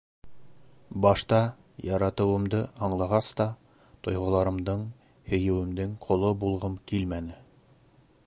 Башта, яратыуымды аңлағас та... тойғоларымдың, һөйөүемдең ҡоло булғым килмәне.